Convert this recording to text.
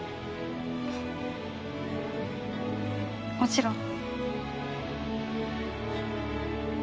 もちろん。